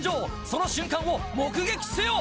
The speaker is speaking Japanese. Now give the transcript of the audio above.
その瞬間を目撃せよ！